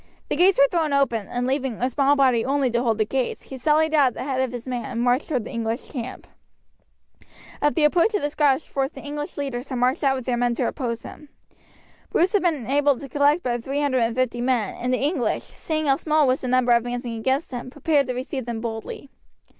The gates were thrown open, and leaving a small body only to hold the gates, he sallied out at the head of his men and marched toward the English camp. At the approach of the Scottish force the English leaders had marched out with their men to oppose them. Bruce had been able to collect but three hundred and fifty men, and the English, seeing how small was the number advancing against them, prepared to receive them boldly.